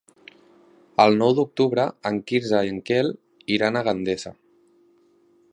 El nou d'octubre en Quirze i en Quel iran a Gandesa.